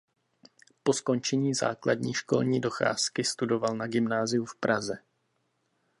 Po skončení základní školní docházky studoval na gymnáziu v Praze.